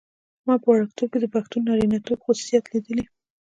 ما په وړکتوب کې د پښتون نارینتوب خصوصیات لیدلي.